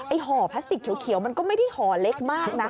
ห่อพลาสติกเขียวมันก็ไม่ได้ห่อเล็กมากนะ